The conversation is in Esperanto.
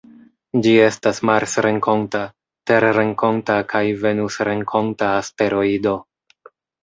Ĝi estas marsrenkonta, terrenkonta kaj venusrenkonta asteroido.